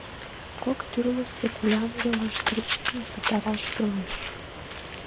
Кок тӱрлӧ спекулянтге лаштыртен пытараш кӱлеш.